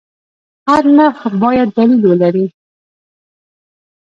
هر نرخ باید دلیل ولري.